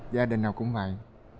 gia đình nào cũng vậy